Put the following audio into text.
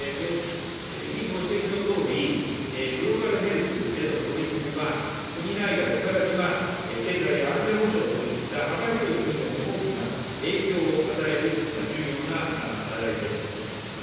議員ご指摘のとおり、グローバルヘルスへの取り組みは、国内外、さらには経済や安全保障といった幅広い分野に大きな影響を与える重要な課題です。